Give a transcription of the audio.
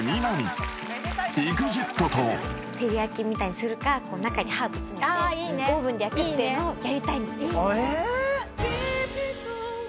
照り焼きみたいにするか中にハーブ詰めてオーブンで焼くっていうのをやりたいんですよ。